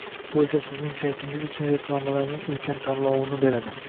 Bu esa Sizning saytingiz uchun reklamalarning ulkan tanlovini beradi